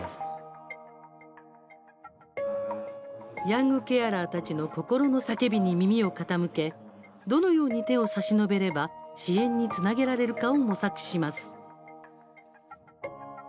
ヤングケアラーたちの心の叫びに耳を傾けどのように手を差し伸べれば支援につなげられるかを模索します。